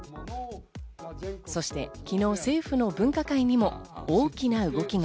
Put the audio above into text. そして昨日、政府の分科会にも大きな動きが。